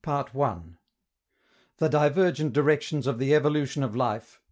] CHAPTER II THE DIVERGENT DIRECTIONS OF THE EVOLUTION OF LIFE.